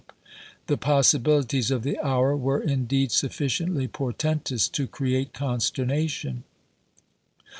The possibilities of the hour were indeed sufficiently portentous to create consternation.